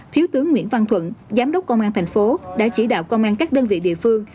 thiếu tướng nguyễn văn thuận giám đốc công an thành phố đã chỉ đạo công an các đơn vị địa phương